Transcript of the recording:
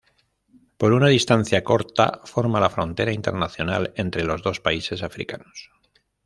Por una distancia corta, forma la frontera internacional entre los dos países africanos.